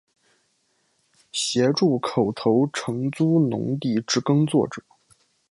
协助口头承租农地之耕作者